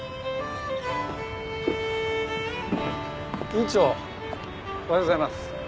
院長おはようございます。